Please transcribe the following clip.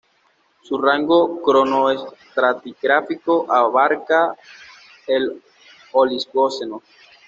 Su rango cronoestratigráfico abarcaba el Oligoceno.